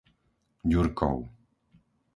Ďurkov